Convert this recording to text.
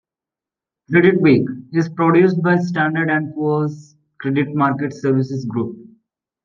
"Credit Week" is produced by Standard and Poor's Credit Market Services Group.